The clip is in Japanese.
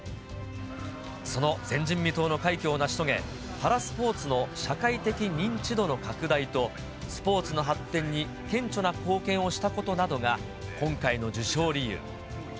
その前人未到の快挙を成し遂げ、パラスポーツの社会的認知度の拡大と、スポーツの発展に顕著な貢献をしたことなどが、今回の受賞理由。